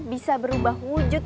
bisa berubah wujud